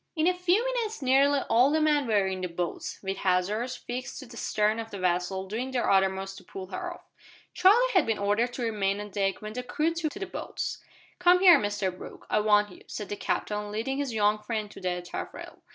In a few minutes nearly all the men were in the boats, with hawsers fixed to the stern of the vessel, doing their uttermost to pull her off. Charlie had been ordered to remain on deck when the crew took to the boats. "Come here, Mr Brooke, I want you," said the Captain, leading his young friend to the taffrail.